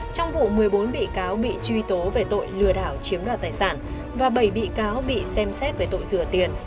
trong vụ một mươi bốn bị cáo bị truy tố về tội lừa đảo chiếm đoạt tài sản và bảy bị cáo bị xem xét về tội rửa tiền